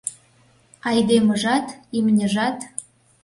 Айдемыжат, имньыжат…